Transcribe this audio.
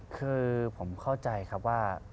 คือผมเข้าใจครับว่า